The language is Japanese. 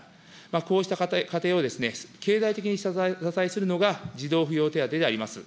こうした家庭を経済的にお支えするのが児童扶養手当であります。